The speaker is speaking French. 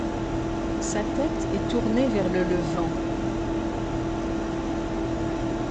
Sa tête est tournée vers le levant.